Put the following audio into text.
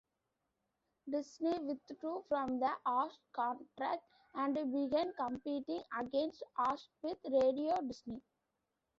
Disney withdrew from the Aahs contract and began competing against Aahs with Radio Disney.